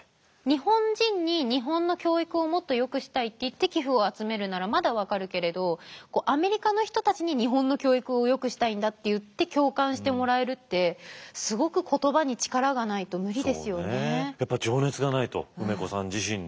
日本人に日本の教育をもっとよくしたいって言って寄付を集めるならまだ分かるけれどアメリカの人たちに日本の教育をよくしたいんだって言って共感してもらえるって梅子さん自身に。